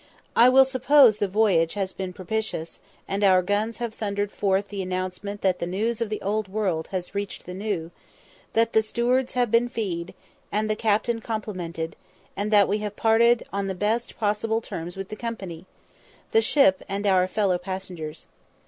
I will suppose that the voyage has been propitious, and our guns have thundered forth the announcement that the news of the Old World has reached the New; that the stewards have been fee'd and the captain complimented; and that we have parted on the best possible terms with the Company, the ship, and our fellow passengers.